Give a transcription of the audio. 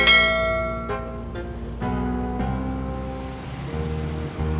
masih ada lain plenty pel trabalhar